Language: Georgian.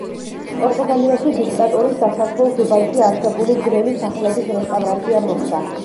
პორტუგალიაში დიქტატურის დასასრულს უბანში არსებული ძველი სახლების რესტავრაცია მოხდა.